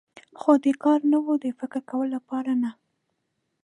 خو د کار نه و، د فکر کولو لپاره نه.